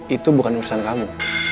itu bukan urusan kamu